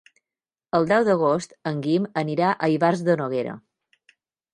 El deu d'agost en Guim anirà a Ivars de Noguera.